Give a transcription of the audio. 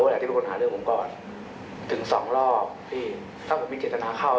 ผมไม่เคยรู้จักเขามาก่อนไม่เคยมีเรื่องกันมาก่อน